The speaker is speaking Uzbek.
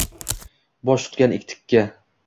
Bosh tutgan tikka